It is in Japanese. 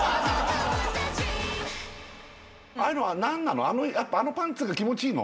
ああいうのは何なの？